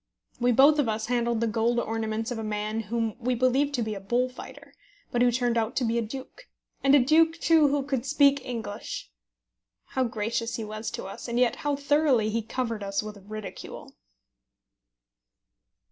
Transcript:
We both of us handled the gold ornaments of a man whom we believed to be a bullfighter, but who turned out to be a duke, and a duke, too, who could speak English! How gracious he was to us, and yet how thoroughly he covered us with ridicule!